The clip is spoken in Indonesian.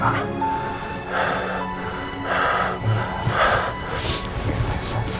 aku harus cari al